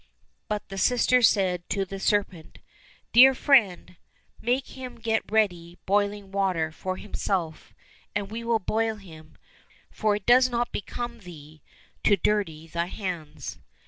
" But the sister said to the serpent, '' Dear friend, make him get ready boiling water for himself, and we will boil him, for it does not become thee to dirty thy hands."